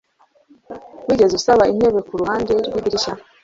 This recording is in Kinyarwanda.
Wigeze usaba intebe kuruhande rwidirishya?